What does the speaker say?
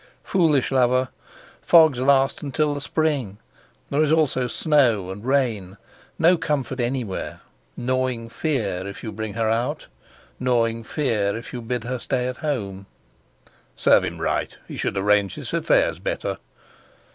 Foolish lover! Fogs last until the spring; there is also snow and rain, no comfort anywhere; gnawing fear if you bring her out, gnawing fear if you bid her stay at home! "Serve him right; he should arrange his affairs better!"